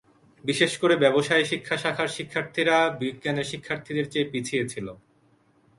বিশেষ করে ব্যবসায় শিক্ষা শাখার শিক্ষার্থীরা বিজ্ঞানের শিক্ষার্থীদের চেয়ে পিছিয়ে ছিল।